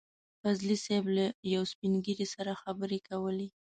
فضلي صیب له يو سپين ږيري سره خبرې کولې.